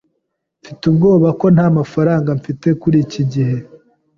Mfite ubwoba ko ntamafaranga mfite kuri iki gihe.